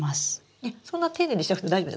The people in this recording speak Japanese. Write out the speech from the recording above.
えっそんな丁寧にしなくても大丈夫です。